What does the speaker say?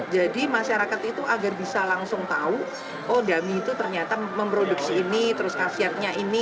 jadi masyarakat itu agar bisa langsung tahu oh dami itu ternyata memproduksi ini terus kasiatnya ini